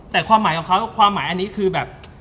แต่ความหมายของเขาความหมายอันนี้คือแบบ